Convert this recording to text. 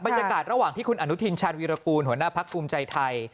บรรยากาศระหว่างที่คุณอนุทินชาญวีรกูลหัวหน้าพักภูมิใจไทย